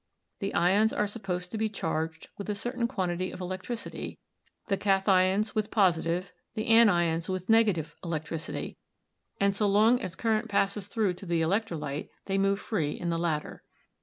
The ions are supposed to be charged with a certain quantity of electricity — the kath ions with positive, the anions with negative, electricity — and so long as current passes through to the electrolyte, they move free in the latter.